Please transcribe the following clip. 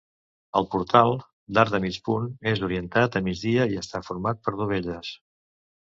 El portal, d'arc de mig punt, és orientat a migdia i està format per dovelles.